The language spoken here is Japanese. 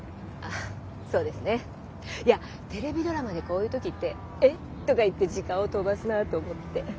あそうですね。いやテレビドラマでこういう時って「え？」とか言って時間を飛ばすなと思って。